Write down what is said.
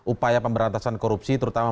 upaya pemberantasan korupsi terutama